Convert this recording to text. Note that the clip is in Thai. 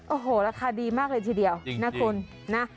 โอ้โหราคาดีมากเลยทีเดียวนะคุณนะ